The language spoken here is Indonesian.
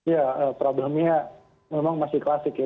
ya problemnya memang masih klasik ya